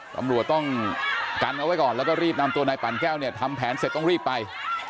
ตำรวจต้องกันเอาไว้ก่อนแล้วก็รีบนำตัวนายปั่นแก้วเนี่ยทำแผนเสร็จต้องรีบไป